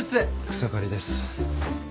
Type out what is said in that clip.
草刈です。